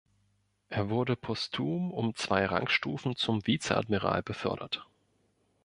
Er wurde posthum um zwei Rangstufen zum Vizeadmiral befördert.